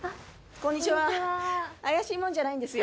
こんにちはあやしい者じゃないんですよ